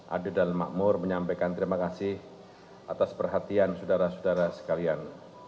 adil dan makmur menyampaikan terima kasih atas perhatian saudara saudara sekalian